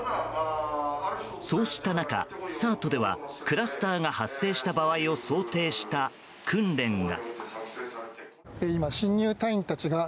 そうした中、ＳｅＲＴではクラスターが発生した場合を想定した訓練が。